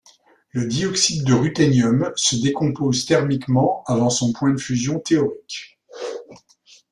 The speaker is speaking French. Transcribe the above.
Le dioxyde de ruthénium se décompose thermiquement avant son point de fusion théorique.